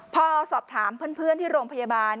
พอสอบถามเพื่อนที่โรงพยาบาล